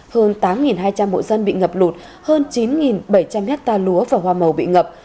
hơn tám hai trăm linh hộ dân bị ngập lụt hơn chín bảy trăm linh hectare lúa và hoa màu bị ngập